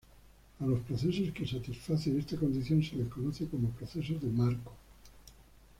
A los procesos que satisfacen esta condición se les conoce como procesos de Márkov.